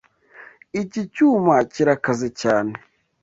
Iki cyuma kirakaze cyane.